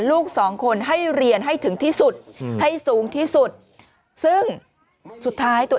ลูกสองคนให้เรียนให้ถึงที่สุดให้สูงที่สุดซึ่งสุดท้ายตัวเอง